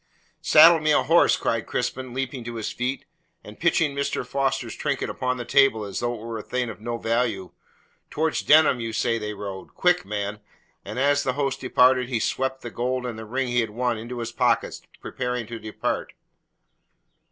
"Saddle me a horse," cried Crispin, leaping to his feet, and pitching Mr. Foster's trinket upon the table as though it were a thing of no value. "Towards Denham you say they rode? Quick, man!" And as the host departed he swept the gold and the ring he had won into his pockets preparing to depart.